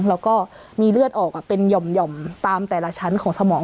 แล้วก็มีเลือดออกเป็นหย่อมตามแต่ละชั้นของสมอง